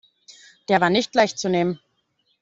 Der war nicht leicht zu nehmen.